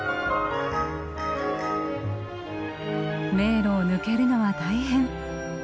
迷路を抜けるのは大変。